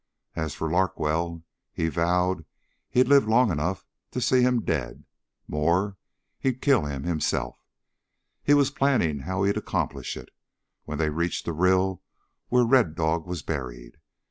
As for Larkwell! He vowed he'd live long enough to see him dead. More, he'd kill him himself. He was planning how he'd accomplish it when they reached the rill where Red Dog was buried.